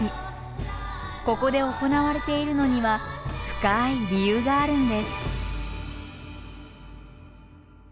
ここで行われているのには深い理由があるんです。